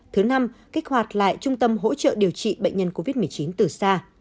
thứ năm kích hoạt lại trung tâm hỗ trợ điều trị bệnh nhân covid một mươi chín từ xa